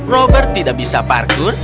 robert tidak bisa parkur